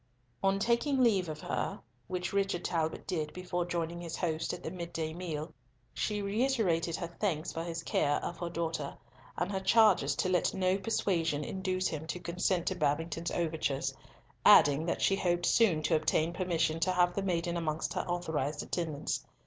On taking leave of her, which Richard Talbot did before joining his host at the mid day meal, she reiterated her thanks for his care of her daughter, and her charges to let no persuasion induce him to consent to Babington's overtures, adding that she hoped soon to obtain permission to have the maiden amongst her authorised attendants.